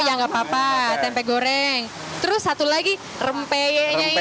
oh ya gak apa apa tempe goreng terus satu lagi rempeyenya ini loh